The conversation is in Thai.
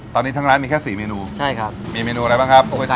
ตอนนี้ทั้งร้านมีแค่สี่เมนูใช่ครับมีเมนูอะไรบ้างครับก๋ว